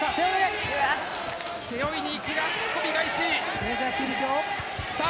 背負いにいくが、引き込み返し。